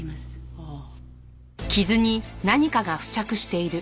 ああ。